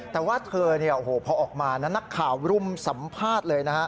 แต่ว่าเธอพอออกมานักข่าวรุมสัมภาษณ์เลยนะฮะ